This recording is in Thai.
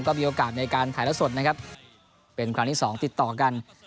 ก็มีโอกาสในการถ่ายแล้วสดนะครับเป็นครั้งที่สองติดต่อกัน